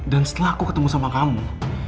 dan setelah aku ketemu sama kamu